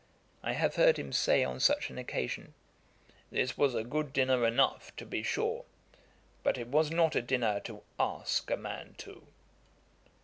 I have heard him say on such an occasion, 'This was a good dinner enough, to be sure; but it was not a dinner to ask a man to.'